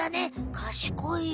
かしこいよ。